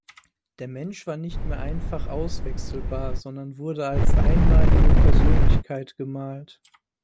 Der Mensch war nicht mehr einfach auswechselbar, sondern wurde als einmalige Persönlichkeit gemalt.